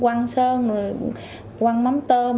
quăng mắm sơn quăng mắm sơn quăng mắm sơn